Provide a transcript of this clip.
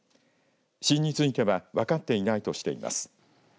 死因については分かっていないとしています。